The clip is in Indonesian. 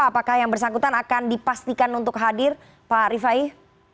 apakah yang bersangkutan akan dipastikan untuk hadir pak rifai